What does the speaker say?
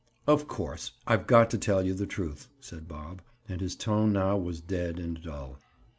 "Of course, I've got to tell you the truth," said Bob, and his tone now was dead and dull.